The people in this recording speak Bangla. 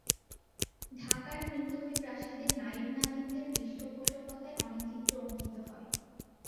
ঢাকার নিমতলী প্রাসাদের নায়েব-নাজিমদের পৃষ্ঠপোষকতায় অনেক চিত্র অঙ্কিত হয়।